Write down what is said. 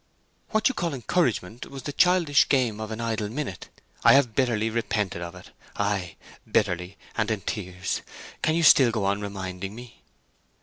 "What you call encouragement was the childish game of an idle minute. I have bitterly repented of it—ay, bitterly, and in tears. Can you still go on reminding me?"